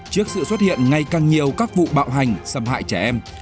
trước sự xuất hiện ngày càng nhiều các vụ bạo hành xâm hại trẻ em